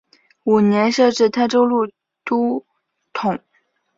五年设置泰州路都统。